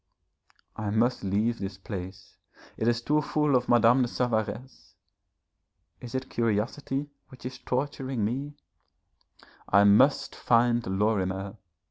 I must leave this place, it is too full of Madame de Savaresse.... Is it curiosity which is torturing me? I must find Lorimer.